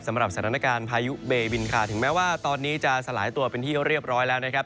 สำหรับสถานการณ์พายุเบบินค่ะถึงแม้ว่าตอนนี้จะสลายตัวเป็นที่เรียบร้อยแล้วนะครับ